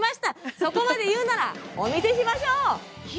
そこまで言うならお見せしましょう！